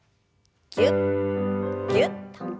ぎゅっぎゅっと。